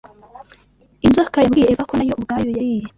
Inzoka yabwiye Eva ko na yo ubwayo yariye